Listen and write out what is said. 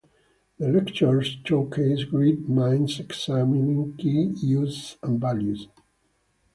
The lectures showcase great minds examining key issues and values.